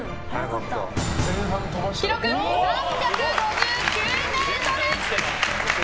記録３５９ｍ！